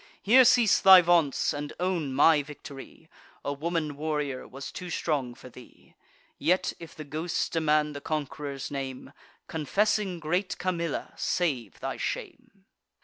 Here cease thy vaunts, and own my victory: A woman warrior was too strong for thee. Yet, if the ghosts demand the conqu'ror's name, Confessing great Camilla, save thy shame."